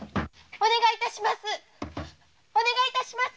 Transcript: お願い致します